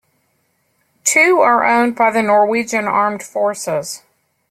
Two are owned by the Norwegian Armed Forces.